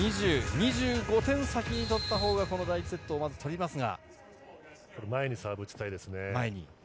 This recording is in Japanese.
２５点先に取ったほうがこの第１セットをまず取りますが。